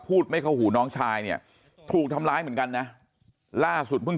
ไม่เข้าหูน้องชายเนี่ยถูกทำร้ายเหมือนกันนะล่าสุดเพิ่ง